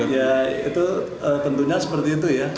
ya itu tentunya seperti itu ya